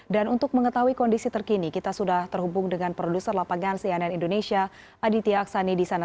dan untuk mengetahui kondisi terkini kita sudah terhubung dengan produser lapangan sianen indonesia aditya aksani di sana